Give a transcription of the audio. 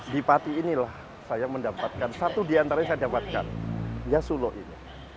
di pati inilah saya mendapatkan satu diantaranya saya dapatkan yasulo ini